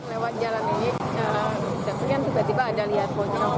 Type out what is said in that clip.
lewat jalan ini sebagian tiba tiba ada lihat pocong